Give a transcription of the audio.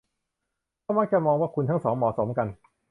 ก็มักจะมองว่าคุณทั้งสองเหมาะสมกัน